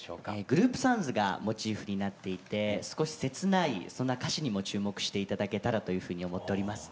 グループサウンズがモチーフになっていて少し切ないそんな歌詞にも注目して頂けたらというふうに思っております。